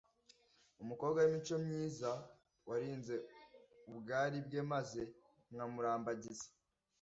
umukobwa w’imico myiza, warinze ubwari bwe maze nkamurambagiza